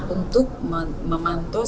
untuk memantau semua perstatement yang dilakukan